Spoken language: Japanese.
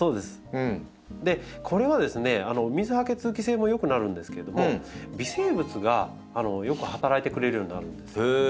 これはですね水はけ通気性も良くなるんですけれども微生物がよく働いてくれるようになるんです。